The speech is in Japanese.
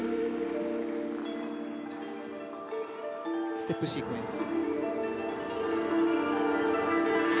ステップシークエンス。